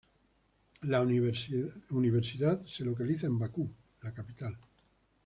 La Universidad se localiza en Bakú, la capital.